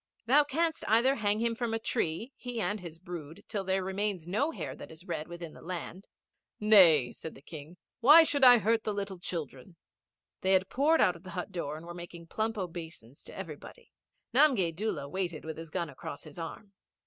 Thou canst either hang him from a tree, he and his brood, till there remains no hair that is red within the land.' 'Nay,' said the King. 'Why should I hurt the little children?' They had poured out of the hut door and were making plump obeisance to everybody. Nanigay Doola waited with his gun across his arm.